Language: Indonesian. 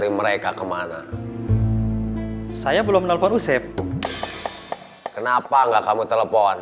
gak ada yang kabur